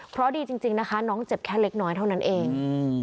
เพราะดีจริงนะคะน้องเจ็บแค่เล็กน้อยเท่านั้นเอง